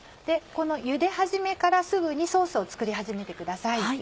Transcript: このゆで始めからすぐにソースを作り始めてください。